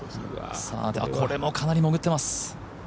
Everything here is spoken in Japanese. これもかなり潜ってます。